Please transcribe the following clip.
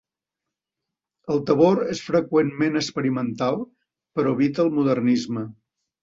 El Tabor és freqüentment experimental però evita el Modernisme.